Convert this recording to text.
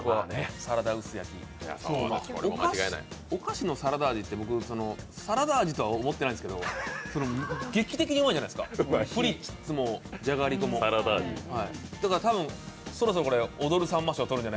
お菓子のサラダ味って僕、サラダ味とは思ってないんですけど、劇的にうまいじゃないですかプリッツもじゃがりこも。